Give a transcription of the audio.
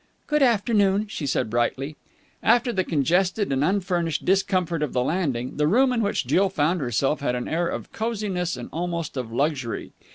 "Good afternoon," she said brightly. After the congested and unfurnished discomfort of the landing, the room in which Jill found herself had an air of cosiness and almost of luxury.